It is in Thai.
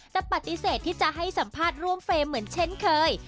แต่ปฏิเสธที่จะให้สัมภาษณ์ร่วมเฟรมเหมือนเช่นเคย